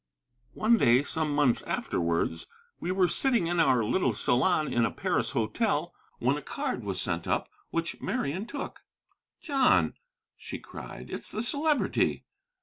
One day, some months afterwards, we were sitting in our little salon in a Paris hotel when a card was sent up, which Marian took. "John," she cried, "it's the Celebrity."